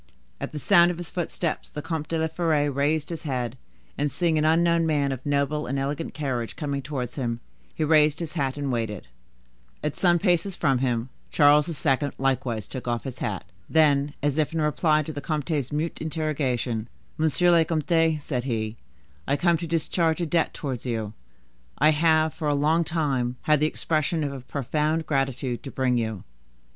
At the sound of his footsteps, the Comte de la Fere raised his head, and seeing an unknown man of noble and elegant carriage coming towards him, he raised his hat and waited. At some paces from him, Charles II. likewise took off his hat. Then, as if in reply to the comte's mute interrogation,— "Monsieur le Comte," said he, "I come to discharge a debt towards you. I have, for a long time, had the expression of a profound gratitude to bring you.